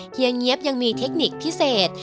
เฮียบยังมีเทคนิคพิเศษ